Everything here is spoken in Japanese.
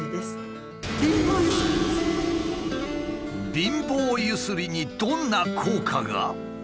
貧乏ゆすりにどんな効果が？